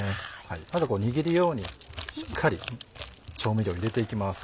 あとこう握るようにしっかり調味料入れていきます。